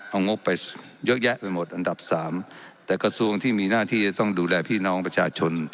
เอางบไปเยอะแยะไปหมดอันดับสามแต่กระทรวงที่มีหน้าที่จะต้องดูแลพี่น้องประชาชน